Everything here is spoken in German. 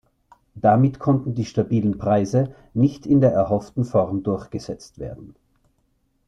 Damit konnten die stabilen Preise nicht in der erhofften Form durchgesetzt werden.